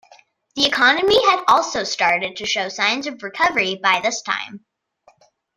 The economy had also started to show signs of recovery by this time.